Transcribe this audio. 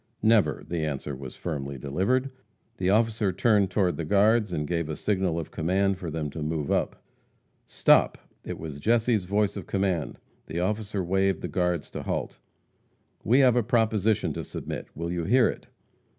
"Never!" The answer was firmly delivered. The officer turned to the guards, and gave a signal of command for them to move up. "Stop!" It was Jesse's voice of command. The officer waved the guards to halt. "We have a proposition to submit. Will you hear it?"